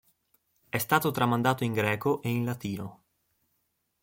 È stato tramandato in greco e in latino.